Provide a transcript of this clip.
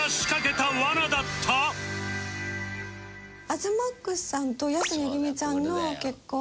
東ＭＡＸさんと安めぐみちゃんの結婚